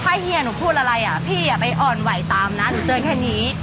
ถ้าเฮียหนูพูดอะไรอ่ะพี่อย่าไปอ่อนไหวตามนะหนูเจอแค่นี้